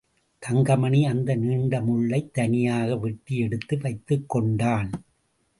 தங்கமணி அந்த நீண்ட முள்ளைத் தனியாக வெட்டி எடுத்து வைத்துக்கொண்டான்.